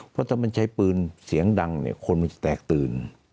เพราะถ้ามันใช้ปืนเสียงดังเนี่ยคนมันจะแตกตื่น